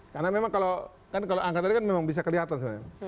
karena memang kalau kan kalau angka tadi kan memang bisa kelihatan sebenarnya